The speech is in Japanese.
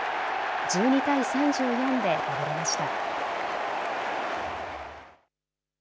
１２対３４で敗れました。